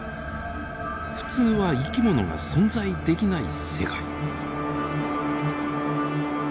普通は生き物が存在できない世界。